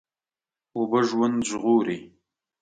اوبه ژوند ژغوري.